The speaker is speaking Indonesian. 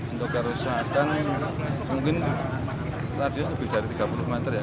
untuk kerusakan mungkin radius lebih dari tiga puluh meter ya